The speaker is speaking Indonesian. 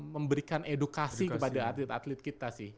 memberikan edukasi kepada atlet atlet kita sih